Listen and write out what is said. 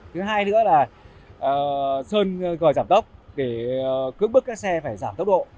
thứ hai nữa là sơn gọi giảm tốc để cướp bức các xe phải giảm tốc độ